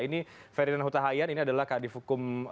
ini ferdinand hutahayan ini adalah kadi hukum partai demokrat ya